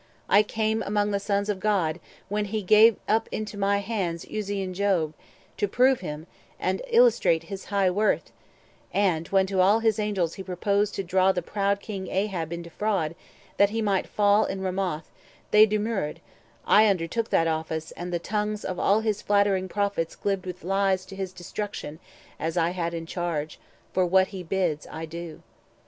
I came, among the Sons of God, when he Gave up into my hands Uzzean Job, To prove him, and illustrate his high worth; 370 And, when to all his Angels he proposed To draw the proud king Ahab into fraud, That he might fall in Ramoth, they demurring, I undertook that office, and the tongues Of all his flattering prophets glibbed with lies To his destruction, as I had in charge: For what he bids I do.